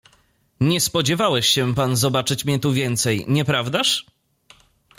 "Nie spodziewałeś się pan zobaczyć mnie tu więcej, nieprawdaż?"